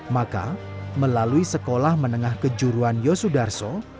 maka melalui sekolah menengah kejuruan yosudarso